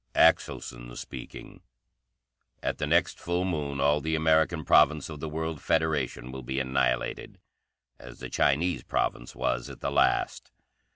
"Axelson speaking. At the next full moon all the American Province of the World Federation will be annihilated, as the Chinese Province was at the last.